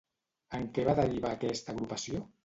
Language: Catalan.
En què va derivar aquesta agrupació?